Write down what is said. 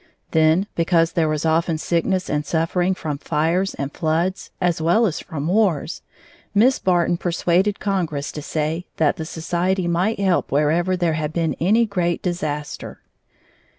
Then, because there was often sickness and suffering from fires and floods, as well as from wars, Miss Barton persuaded Congress to say that the society might help wherever there had been any great disaster.